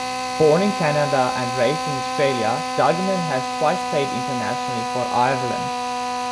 Born in Canada and raised in Australia, Duignan has twice played internationally for Ireland.